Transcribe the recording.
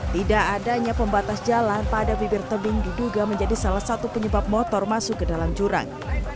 tidak adanya pembatas jalan pada bibir tebing diduga menjadi salah satu penyebab motor masuk ke dalam jurang